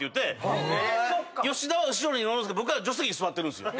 吉田は後ろに乗るんすけど僕は助手席に座ってるんすよ。